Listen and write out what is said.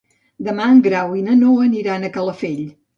Demà en Grau i na Noa aniran a Calafell.